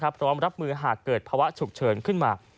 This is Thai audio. พร้อมรับมือหากเกิดภาวะฉุกเฉินขึ้นมา